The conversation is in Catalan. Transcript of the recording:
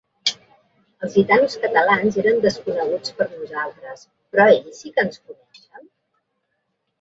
Els gitanos catalans eren desconeguts per nosaltres, però ells sí que ens coneixen?